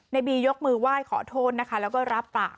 ในบียกมือไหว้ขอโทษนะคะแล้วก็รับปาก